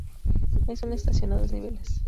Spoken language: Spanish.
Es una estación a dos niveles.